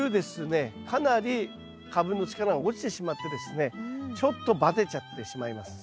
かなり株の力が落ちてしまってですねちょっとバテちゃってしまいます。